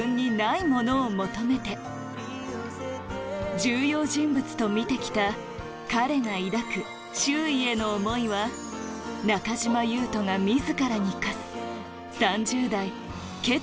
重要人物と見て来た彼が抱く周囲への思いは中島裕翔はＨｅｙ！